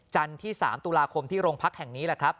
ที่๓ตุลาคมที่โรงพักแห่งนี้แหละครับ